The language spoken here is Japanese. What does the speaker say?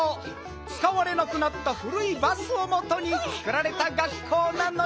つかわれなくなったふるいバスをもとにつくられた学校なのよん！